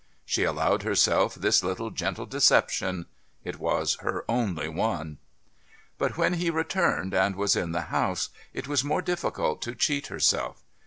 She allowed herself this little gentle deception it was her only one. But when he returned and was in the house it was more difficult to cheat herself.